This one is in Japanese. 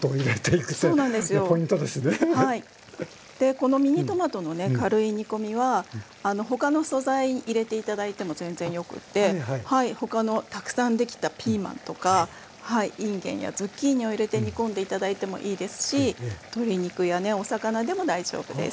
でこのミニトマトのね軽い煮込みは他の素材入れて頂いても全然よくって他のたくさん出来たピーマンとかインゲンやズッキーニを入れて煮込んで頂いてもいいですし鶏肉やねお魚でも大丈夫です。